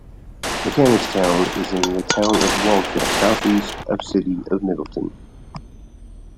Mechanicstown is in the Town of Walkill, southeast of City of Middletown.